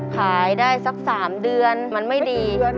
ขายได้สัก๓เดือนมันไม่ดี